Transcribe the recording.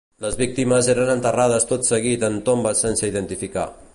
Les víctimes eren enterrades tot seguit en tombes sense identificar.